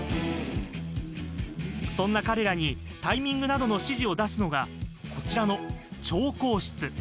そんな彼らにタイミングなどの指示を出すのがこちらの調光室。